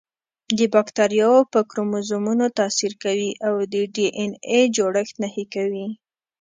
د باکتریاوو په کروموزومونو تاثیر کوي او د ډي این اې جوړښت نهي کوي.